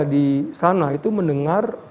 di sana itu mendengar